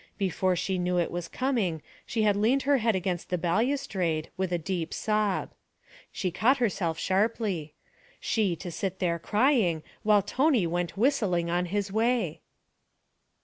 Before she knew it was coming, she had leaned her head against the balustrade with a deep sob. She caught herself sharply. She to sit there crying, while Tony went whistling on his way!